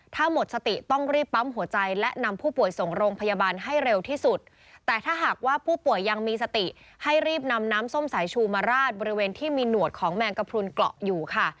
ถ้าหมดสติต้องรีบปั๊มหัวใจและนำผู้ป่วยส่งโรงพยาบาลให้เร็วที่สุดแต่ถ้าหากว่าผู้ป่วยยังมีสติให้รีบนำน้ำส้มสายชูมาราดบริเวณที่มีหนวดของแมงกระพรุนเกาะอยู่ค่ะ